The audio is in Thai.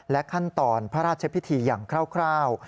ขั้นตอนพระราชพิธีอย่างคร่าว